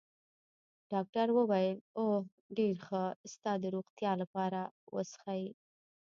ډاکټر وویل: اوه، ډېر ښه، ستا د روغتیا لپاره، و څښئ.